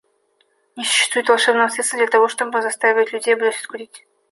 Не существует волшебного средства для того, чтобы заставить людей бросить курить.